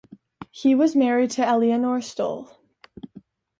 He was married to Eleonore Stohl.